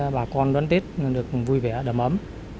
bà con đón tết được vui vẻ đầm ấm